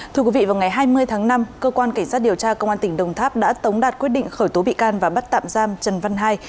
thưa quý vị vào ngày hai mươi tháng năm cơ quan cảnh sát điều tra công an tỉnh đồng tháp đã tống đạt quyết định khởi tố bị can và bắt tạm giam trần văn hai